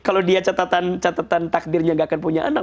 kalau dia catatan takdirnya gak akan punya anak